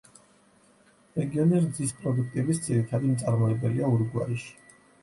რეგიონი რძის პროდუქტების ძირითადი მწარმოებელია ურუგვაიში.